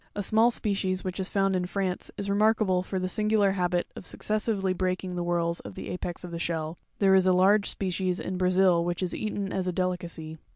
A small species which is found in France, is re markable for the singular habit of successively breaking the whorls of a the apex of the shell. There is a, large species in Brazil which is / eaten as a delicacy.